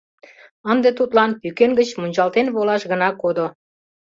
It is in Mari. Ынде тудлан пӱкен гыч мунчалтен волаш гына кодо.